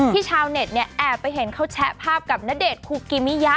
ชาวเน็ตเนี่ยแอบไปเห็นเขาแชะภาพกับณเดชนคุกิมิยะ